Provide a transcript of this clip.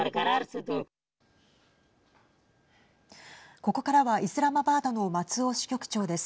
ここからはイスラマバードの松尾支局長です。